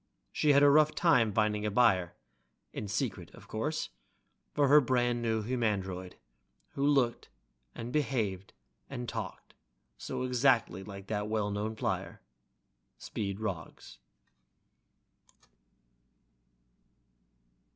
She had a rough time finding a buyer (in secret, of course) for her brand new humandroid, who looked and behaved and talked so exactly like that well known flyer, Speed Roggs....